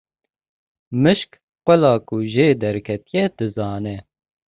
Mişk qula ku jê derketiye dizane.